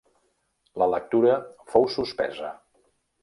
La lectura fou suspesa.